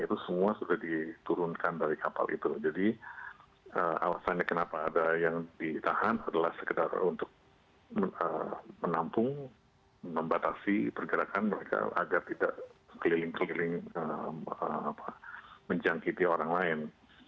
itu semua sudah diturunkan dari kapal itu jadi alasannya kenapa ada yang ditahan adalah sekedar untuk menampung membatasi pergerakan mereka agar tidak keliling keliling menjangkiti orang lain